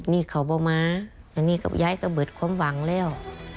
นี่เขาบ่ม้านี่ก็ย้ายก็เบิดความหวังแล้ว